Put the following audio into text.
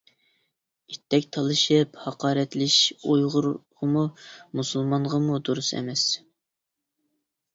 ئىتتەك تالىشىپ ھاقارەتلىشىش ئۇيغۇرغىمۇ مۇسۇلمانغىمۇ دۇرۇس ئەمەس.